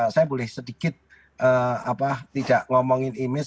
saya boleh sedikit tidak ngomongin image